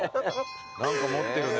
何か持ってるね。